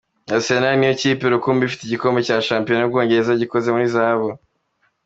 Arsenal niyo kipe rukumbi ifite igikombe cya shampiyona y’ubwongereza gikoze muri zahabu.